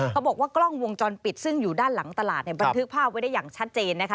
กล้องวงจรปิดซึ่งอยู่ด้านหลังตลาดเนี่ยบันทึกภาพไว้ได้อย่างชัดเจนนะคะ